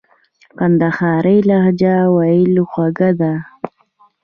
کندهارۍ لهجه ولي خوږه ده ؟